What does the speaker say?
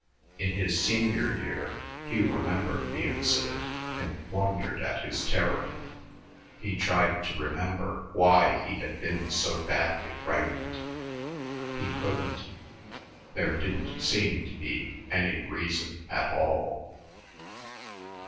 In his senior year Hugh remembered the incident and wondered at his terror. He tried to remember why he had been so badly frightened. He couldn't; there didn't seem to be any reason at all.